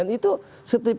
air itu soal pusat banyak kan